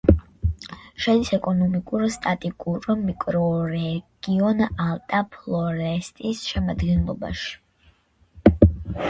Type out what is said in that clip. შედის ეკონომიკურ-სტატისტიკურ მიკრორეგიონ ალტა-ფლორესტის შემადგენლობაში.